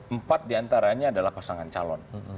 empat diantaranya adalah pasangan calon